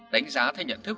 đánh giá theo nhận thức